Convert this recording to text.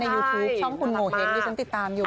ในยูทูปช่องคุณโหมเฮ้ม